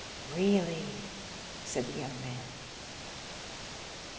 " Really !" said the young man.